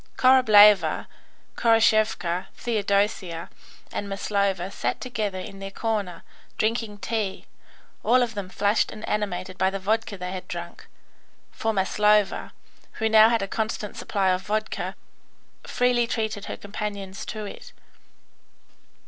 Korableva, Khoroshevka, Theodosia, and Maslova sat together in their corner, drinking tea, all of them flushed and animated by the vodka they had drunk, for Maslova, who now had a constant supply of vodka, freely treated her companions to it.